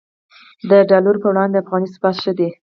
د ډالر پر وړاندې د افغانۍ ثبات ښه دی